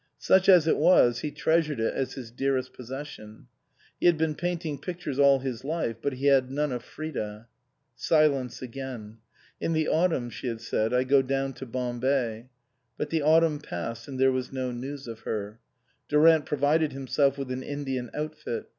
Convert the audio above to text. Such as it was he treasured it as his dearest possession. He had been painting pictures all his life, but he had none of Frida. Silence again. " In the autumn," she had said, " I go down to Bombay." But the autumn passed and there was no news of her. Durant provided himself with an Indian outfit.